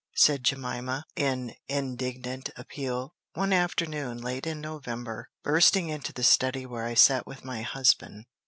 said Jemima, in indignant appeal, one afternoon late in November, bursting into the study where I sat with my husband.